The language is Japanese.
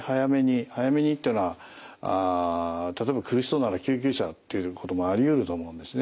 早めにっていうのは例えば苦しそうなら救急車っていうこともありうると思うんですね。